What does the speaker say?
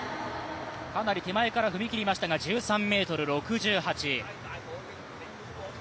かなり手前から踏み切りましたが、１３ｍ６８。